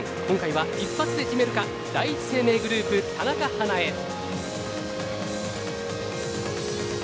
今回は一発で決めるか第一生命グループ・田中華絵。